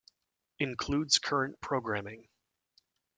Includes current programming.